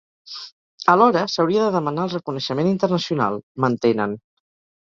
Alhora s’hauria de demanar el reconeixement internacional, mantenen.